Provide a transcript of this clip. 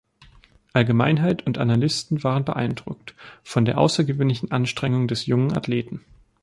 Allgemeinheit und Analysten waren beeindruckt von der außergewöhnlichen Anstrengung des jungen Athleten.